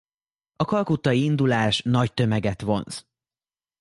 A kalkuttai indulás nagy tömeget vonz.